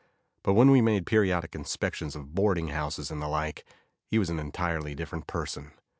But when we made periodic inspections of boarding houses and the like, he was an entirely different person.